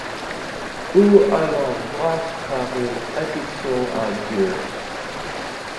ou à l'angoisse par une addiction à Dieu.